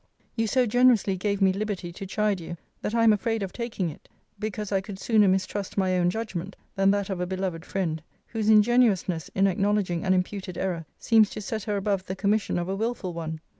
You so generously gave me liberty to chide you, that I am afraid of taking it, because I could sooner mistrust my own judgment, than that of a beloved friend, whose ingenuousness in acknowledging an imputed error seems to set her above the commission of a wilful one.